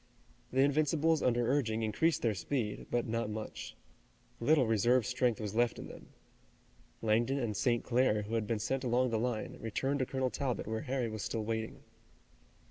The Invincibles under urging increased their speed, but not much. Little reserve strength was left in them. Langdon and St. Clair, who had been sent along the line, returned to Colonel Talbot where Harry was still waiting.